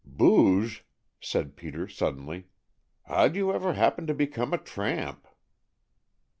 "Booge," said Peter suddenly, "how'd you ever happen to become a tramp?"